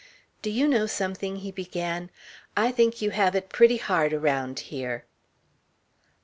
"Do you know something?" he began. "I think you have it pretty hard around here."